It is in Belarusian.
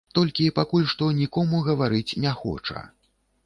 Толькі пакуль што нікому гаварыць не хоча.